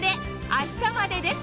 明日までです！